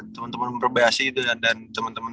temen temen berbahasa indonesia dan